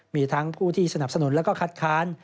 มีทั้งผู้ที่สนับสนุนแล้วก็คัดค้าน